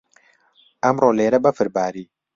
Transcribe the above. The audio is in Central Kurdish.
ئەمڕۆ لێرە بەفر باری.